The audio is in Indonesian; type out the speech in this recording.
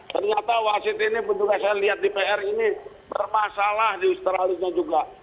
ternyata wasit ini pun juga saya lihat di pr ini bermasalah di australia juga